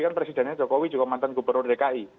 kan presidennya jokowi juga mantan gubernur dki